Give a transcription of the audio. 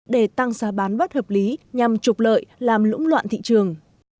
để tăng giá bán bất hợp lý nhằm trục lợi làm lũng loạn thị trường